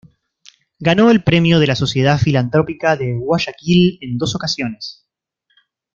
Ganó el premio de la Sociedad Filantrópica de Guayaquil en dos ocasiones.